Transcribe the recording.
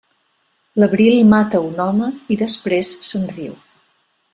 L'abril mata un home i després se'n riu.